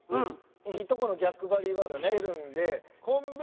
いいとこの逆張りはきてるんで。